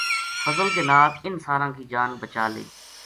فضل کے نال اِنھ ساراں کی جان بچا لئی